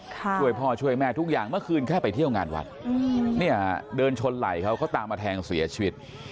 ช่วยพ่อช่วยแม่ทุกอย่างเมื่อคืนแค่ไปเที่ยวงานวัดเนี่ยเดินชนไหล่เขาเขาตามมาแทงเสียชีวิต